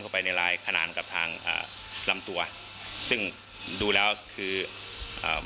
ไปในลายขนาดกับทางอ่าลำตัวซึ่งดูแล้วคืออ่า